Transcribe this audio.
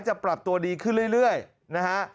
จะปรับตัวดีขึ้นเรื่อยนะฮะ